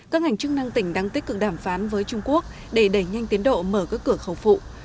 các ngành chức năng tỉnh đang tích cực đàm phán với trung quốc để đẩy nhanh tiến độ mở các cửa khẩu phụ